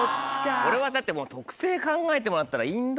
これはだってもう特性考えてもらったら。